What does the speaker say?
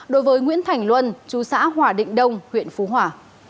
đối với nguyễn thành luân chú xã hòa định đông huyện phú hòa